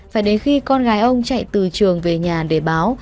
phải đến khi con gái ông chạy từ trường về nhà để báo